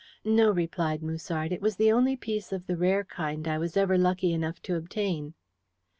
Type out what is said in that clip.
"No," replied Musard. "It was the only piece of the rare kind I was ever lucky enough to obtain."